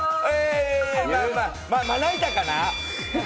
まな板かな？